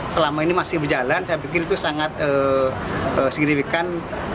selama ini masih berjalan saya pikir itu sangat signifikan